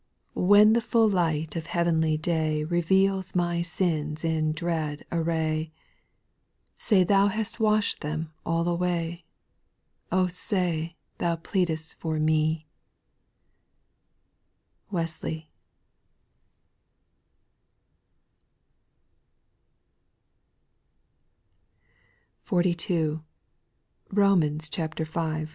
6. When the full light of heav'nly day Reveals my sins in dread array, Say Thou hast wash'd them all away, — O say, Thou plead'st for me I WESLEY* / 42. Homans v. 1.